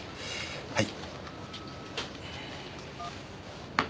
はい。